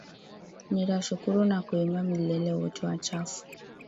Nitashukuru na kuimba milele, wote wuchafu.